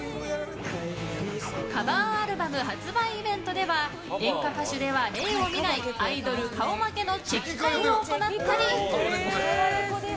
カバーアルバム発売イベントでは演歌歌手では例を見ないアイドル顔負けのチェキ会を行ったり。